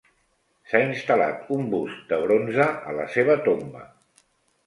S'ha instal·lat un bust de bronze a la seva tomba.